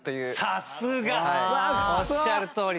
さすが！おっしゃるとおり。